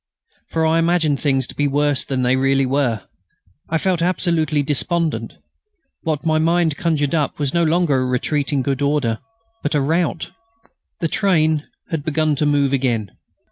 For I imagined things to be worse than they really were. I felt absolutely despondent. What my mind conjured up was no longer a retreat in good order but a rout. The train had begun to move again.